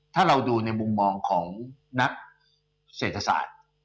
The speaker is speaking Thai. ถ้าเราดูในมุมมองของนักเศรษฐศาสตร์